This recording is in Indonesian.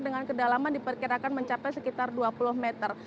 dengan kedalaman diperkirakan mencapai sekitar dua puluh meter